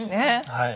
はい。